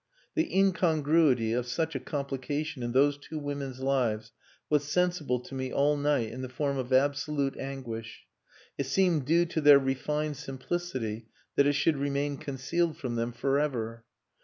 The incongruity of such a complication in those two women's lives was sensible to me all night in the form of absolute anguish. It seemed due to their refined simplicity that it should remain concealed from them for ever.